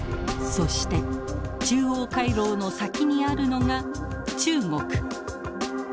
そして中央回廊の先にあるのが中国。